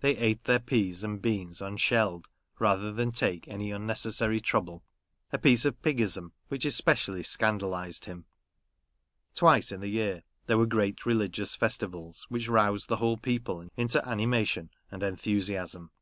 They ate their peas and beans un shelled, rather than take any unnecessary trouble ; a piece of piggism which especially scandalised him. Twice in the year there were great religious festivals, which roused the whole people into animation and enthusiasm.